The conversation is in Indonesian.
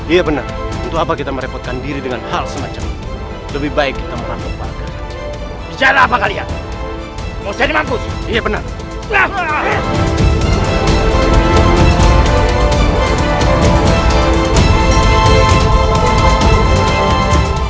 iya benar untuk apa kita merepotkan diri dengan hal semacam ini lebih baik kita menghapus